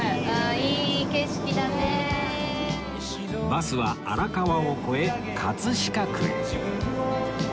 バスは荒川を越え飾区へ